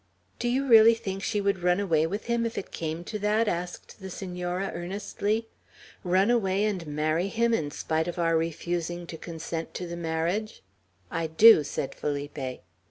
"Do you really think she would run away with him, if it came to that?" asked the Senora, earnestly. "Run away and marry him, spite of our refusing to consent to the marriage?" "I do," said Felipe.